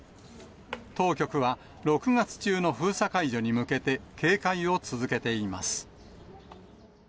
当局は６月中の封鎖解除に向けて警戒を続けています。